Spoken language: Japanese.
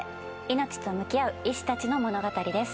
命と向き合う医師たちの物語です。